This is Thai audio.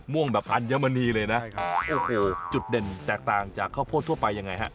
่งแบบอัญมณีเลยนะโอเคจุดเด่นแตกต่างจากข้าวโพดทั่วไปยังไงฮะ